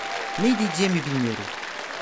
Ne diyeceğimi bilmiyorum.